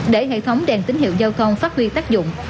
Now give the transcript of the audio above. để hệ thống đèn tín hiệu giao thông phát huy tác dụng